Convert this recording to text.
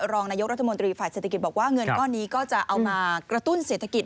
รองนายกรัฐมนตรีฝ่ายเศรษฐกิจบอกว่าเงินก้อนนี้ก็จะเอามากระตุ้นเศรษฐกิจ